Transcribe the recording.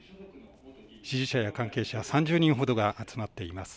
支持者や関係者３０人ほどが集まっています。